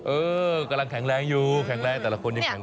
เออกำลังแข็งแรงอยู่แต่ละคนเองแขี่งแรง